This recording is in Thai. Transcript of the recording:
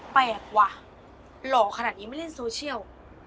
แปลกว่ะหล่อขนาดนี้ไม่เล่นโซเชียล